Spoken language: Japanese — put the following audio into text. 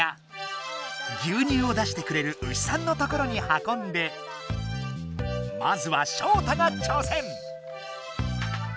牛乳を出してくれる牛さんのところにはこんでまずはショウタが挑戦！